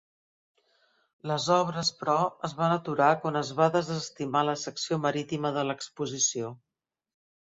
Les obres, però, es van aturar quan es va desestimar la secció marítima de l'exposició.